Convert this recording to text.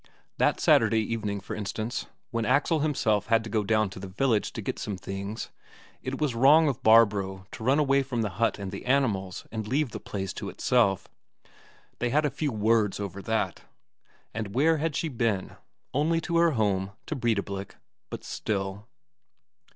That Saturday evening, for instance, when Axel himself had to go down to the village to get some things, it was wrong of Barbro to run away from the hut and the animals and leave the place to itself. They had a few words over that. And where had she been? Only to her home, to Breidablik, but still